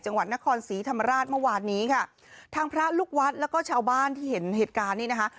จังหวัดนครศรีธรรมราชเมื่อวานนี้ค่ะทางพระลูกวัดแล้วก็ชาวบ้านที่เห็นเหตุการณ์นี้นะคะ